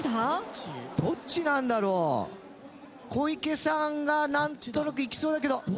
どっちなんだろう？小池さんが何となくいきそうだけど。